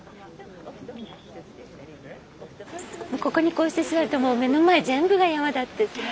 ここにこうして座るともう目の前全部が山だって。